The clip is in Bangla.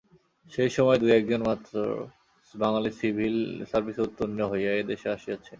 সেই সময়ে দুই-এক জন মাত্র বাঙালি সিভিল সার্ভিসে উত্তীর্ণ হইয়া এ দেশে আসিয়াছেন।